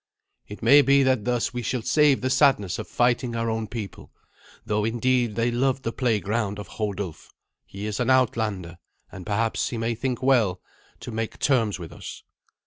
"It may be that thus we shall save the sadness of fighting our own people, though, indeed, they love the playground of Hodulf. He is an outlander, and perhaps he may think well to make terms with us."